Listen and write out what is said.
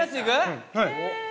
はい。